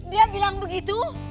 dia bilang begitu